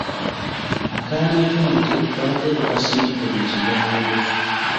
Akaana k’ente twabadde tukasibidde mu kigango.